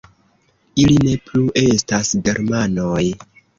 Ili ne plu estas germanoj